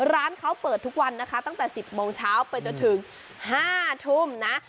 ร้านเขาเปิดทุกวันนะคะตั้งแต่๑๐โมงเช้าไปจนถึง๕ทุ่มนะ